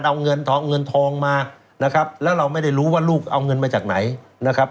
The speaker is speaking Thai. เอาเงินทองเงินทองมานะครับแล้วเราไม่ได้รู้ว่าลูกเอาเงินมาจากไหนนะครับ